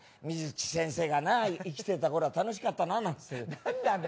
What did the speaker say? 水木先生がな生きてたころは楽しかったななんつって。